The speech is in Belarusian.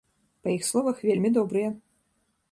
Па іх словах, вельмі добрыя.